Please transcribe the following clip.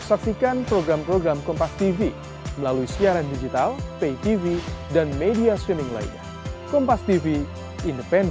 artinya komunikasi sistem dengan medsos ini tetap akan diefektifkan ke depan ya